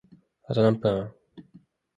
あと何分？